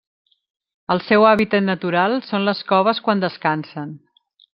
El seu hàbitat natural són les coves quan descansen.